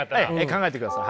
考えてください